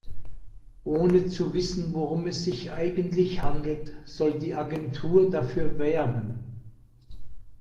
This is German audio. Ohne zu wissen, worum es sich eigentlich handelt, soll die Agentur dafür werben.